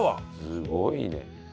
すごいね。